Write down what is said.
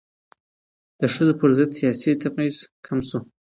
د ښځو پر ضد سیاسي تبعیض کم شو.